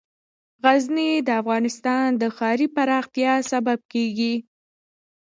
غزني د افغانستان د ښاري پراختیا سبب کېږي.